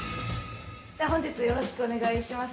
じゃあ本日よろしくお願いします。